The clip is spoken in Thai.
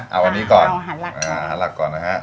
เอาอาหารหลัก